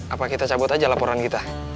apa kita cabut aja laporan kita